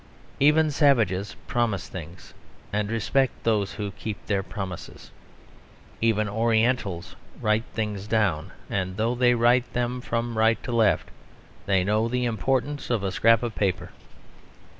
Even savages promise things; and respect those who keep their promises. Even Orientals write things down: and though they write them from right to left, they know the importance of a scrap of paper.